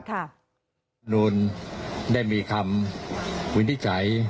ธรรมนุมได้มีคำวินิจฉัย